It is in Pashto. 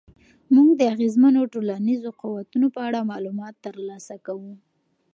موږ د اغېزمنو ټولنیزو قوتونو په اړه معلومات ترلاسه کوو.